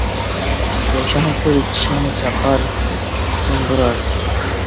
بوشاڭ تىل چىشىڭنى چاقار - سۇندۇرار.